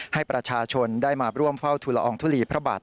ให้ประชาชนได้มาร่วมเฝ้าทุลอองทุลีพระบาท